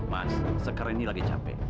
mas sekarang ini lagi capek